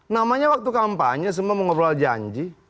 namanya waktu kampanye semua mengobrol janji